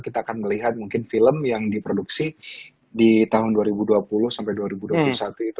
kita akan melihat mungkin film yang diproduksi di tahun dua ribu dua puluh sampai dua ribu dua puluh satu itu